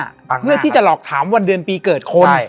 บังหน้าครับเพื่อที่จะหลอกถามวันเดือนปีเกิดคนใช่